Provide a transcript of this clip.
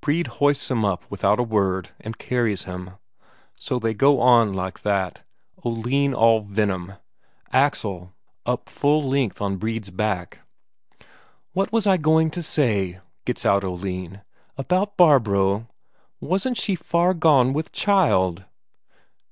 Brede hoists him up without a word, and carries him. So they go on like that, Oline all venom, Axel up full length on Brede's back. "What I was going to say," gets out Oline "about Barbro wasn't she far gone with child?"